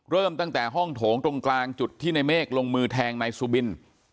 เริ่มตั้งแต่ห้องโถงตรงกลางจุดที่ในเมฆลงมือแทงนายสุบิน